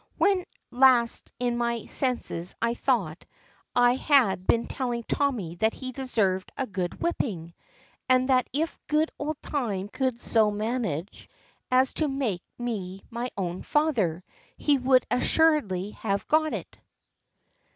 "When last in my senses I thought I had been telling Tommy that he deserved a good whipping; and that if good old Time could so manage as to make me my own father, he would assuredly have got it."